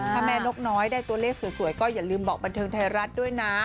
ถ้าแม่นกน้อยได้ตัวเลขสวยก็อย่าลืมบอกบันเทิงไทยรัฐด้วยนะ